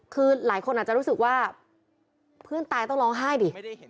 คือหลายคนอาจจะรู้สึกว่าเพื่อนตายต้องร้องไห้ดิ